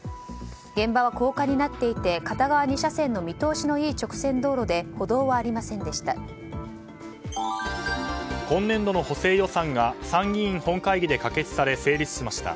現場は高架になっていて片側２車線の見通しのいい直線道路で歩道はありませんでした。